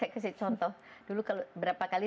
saya kasih contoh dulu kalau berapa kali